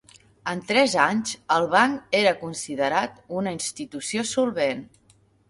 En tres anys, el banc era considerat una institució solvent.